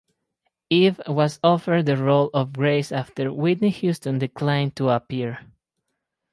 Eve was offered the role of Grace after Whitney Houston declined to appear.